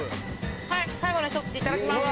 はい最後のひと口いただきます。